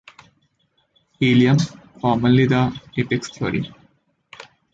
Helium, formerly The Apex Theory.